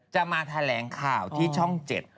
จะมาแถลงข่าวที่ช่อง๗